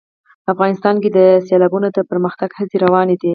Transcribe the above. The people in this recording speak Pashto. افغانستان کې د سیلابونه د پرمختګ هڅې روانې دي.